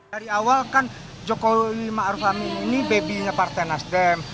dari awal kan joko widodo ini babynya partai nasdem